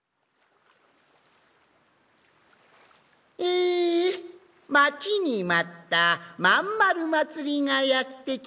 えまちにまった「まんまるまつり」がやってきました。